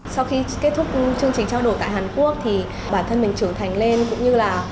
sau khi kết thúc chương trình trao đổi tại hàn quốc thì bản thân mình trưởng thành lên cũng như là